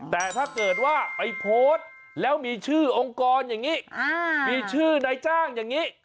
แต่ถ้าเกิดว่าไปโพสต์แล้วมีชื่อองค์กรอย่างนี้มีชื่อนายจ้างอย่างนี้